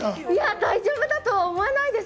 大丈夫だとは思わないです。